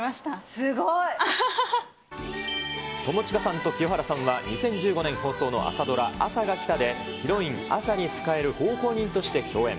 すごい！友近さんと清原さんは２０１５年放送の朝ドラ、あさが来たで、ヒロイン、あさに仕える奉公人として共演。